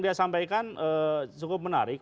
dia sampaikan cukup menarik